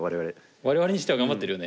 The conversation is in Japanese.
我々にしては頑張ってるよね。